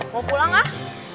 mau pulang ah